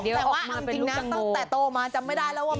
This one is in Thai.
แต่ว่าเอาจริงนะตั้งแต่โตมาจำไม่ได้แล้วว่า